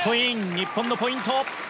日本のポイント。